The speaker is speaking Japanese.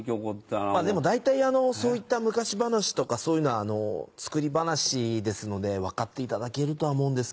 でも、大体、そういった昔話とか、そういうのは作り話ですので、分かっていただけるとは思うえ？